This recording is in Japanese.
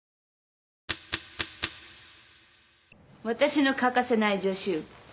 私の欠かせない助手